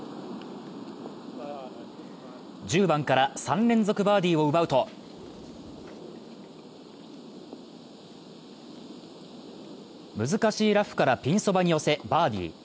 １０番から３連続バーディーを奪うと難しいラフからピンそばに寄せバーディー。